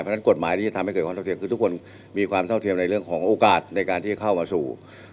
เพราะฉะนั้นกฎหมายที่จะทำให้เกิดความเท่าเทียมคือทุกคนมีความเท่าเทียมในเรื่องของโอกาสในการที่จะเข้ามาสู่